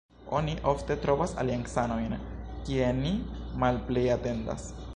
Oni ofte trovas aliancanojn kie ni malplej atendas.